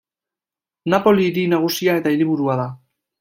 Napoli hiri nagusia eta hiriburua da.